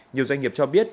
nhiều doanh nghiệp cho biết